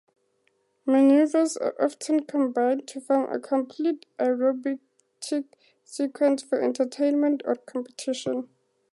Maneuvers are often combined to form a complete aerobatic sequence for entertainment or competition.